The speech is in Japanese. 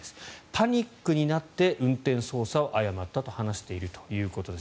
パニックになって運転操作を誤ったと話しているということです。